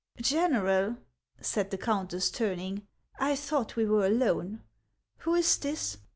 " General," said the countess, turning, " I thought we were alone. Who is this